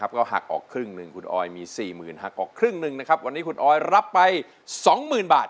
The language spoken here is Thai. วันนี้คุณออยรับไป๒๐๐๐บาท